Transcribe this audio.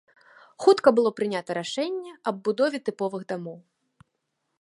Хутка было прынята рашэнне аб будове тыповых дамоў.